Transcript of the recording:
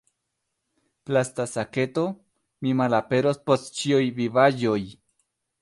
Plasta saketo: "Mi malaperos post ĉiuj vivaĵoj!"